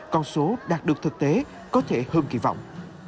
giá gạo đạt được thực tế có thể hơn kỳ vọng